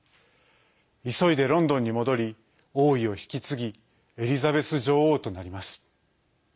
急いでロンドンに戻り王位を引き継ぎエリザベス女王となります。